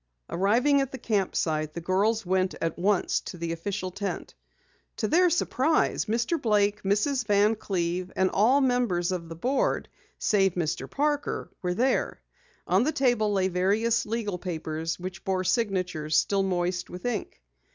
Arriving at the camp site, the girls went at once to the official tent. To their surprise, Mr. Blake, Mrs. Van Cleve, and all members of the Board save Mr. Parker, were there. On the table lay various legal papers which bore signatures still moist with ink.